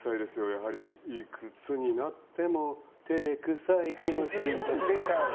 やはりいくつになっても照れくさい気持ちです。